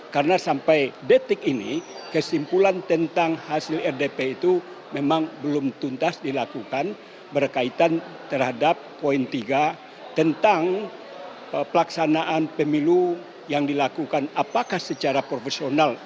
karena sampai detik ini kesimpulan tentang hasil rdp itu memang belum tuntas